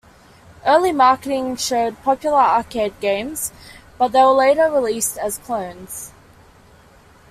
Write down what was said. Early marketing showed popular arcade games, but they were later released as clones.